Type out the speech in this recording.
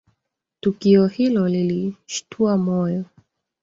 Tukio hilo lilishtua moyo